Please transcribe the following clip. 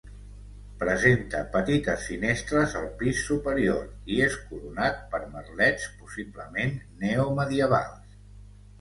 Presenta petites finestres al pis superior i és coronat per merlets, possiblement neomedievals.